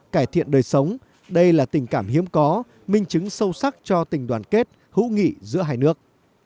cải thiện đời sống đây là tình cảm hiếm có minh chứng sâu sắc cho tình đoàn kết hữu nghị giữa hai nước